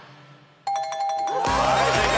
はい正解。